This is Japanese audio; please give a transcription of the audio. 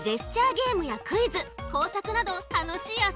ゲームやクイズこうさくなどたのしいあそびがいっぱい。